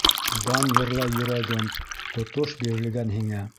Дан йырлай йөрәгем, тотош бирелгән һиңә...